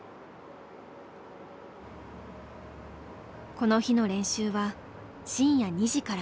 この日の練習は深夜２時から。